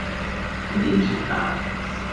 咁點算呀